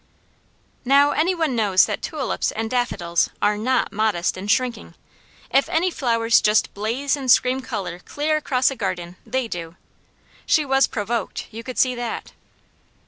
Now any one knows that tulips and daffodils are NOT modest and shrinking. If any flowers just blaze and scream colour clear across a garden, they do. She was provoked, you could see that.